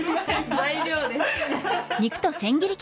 材料です。